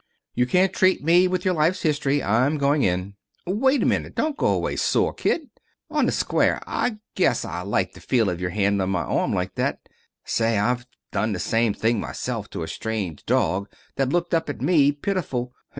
"You can't treat me with your life's history. I'm going in." "Wait a minute. Don't go away sore, kid. On the square, I guess I liked the feel of your hand on my arm, like that. Say, I've done the same thing myself to a strange dog that looked up at me, pitiful.